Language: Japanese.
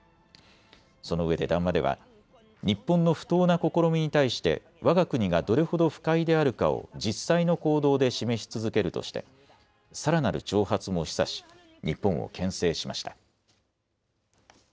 そのうえで談話では日本の不当な試みに対してわが国がどれほど不快であるかを実際の行動で示し続けるとしてさらなる挑発も示唆し日本をけん制しました。